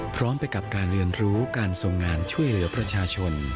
พร้อมไปกับการเรียนรู้การทรงงานช่วยเหลือประชาชน